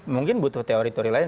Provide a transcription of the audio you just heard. mungkin butuh teori teori lain